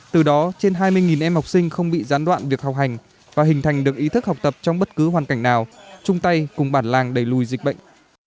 từ đó trên hai mươi em học sinh không bị gián đoạn việc học hành và hình thành được ý thức học tập trong bất cứ hoàn cảnh nào chung tay cùng bản làng đẩy lùi dịch bệnh